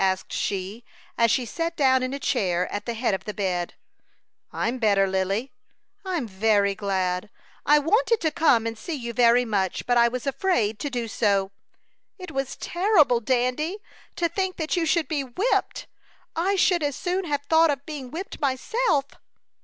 asked she, as she sat down in a chair at the head of the bed. "I'm better, Lily." "I'm very glad. I wanted to come and see you very much, but I was afraid to do so. It was terrible, Dandy! To think that you should be whipped! I should as soon have thought of being whipped myself."